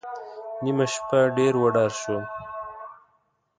نیمه شپه ډېر وډار شوم.